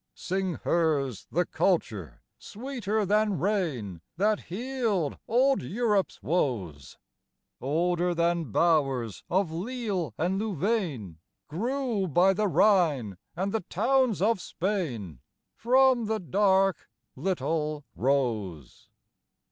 Sing hers the culture sweeter than rain That healed old Europe's woes; Older than bowers of Lille and Louvain Grew by the Rhine and the towns of Spain From the dark little Rose.